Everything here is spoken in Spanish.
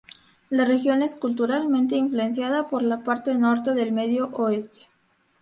La región es culturalmente influenciada por la parte norte del Medio Oeste.